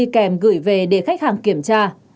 kèm gửi về để khách hàng kiểm tra